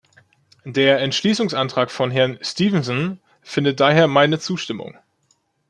Der Entschließungsantrag von Herrn Stevenson findet daher meine Zustimmung.